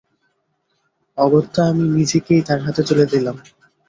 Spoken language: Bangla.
অগত্যা আমি নিজেকেই তার হাতে তুলে দিলাম।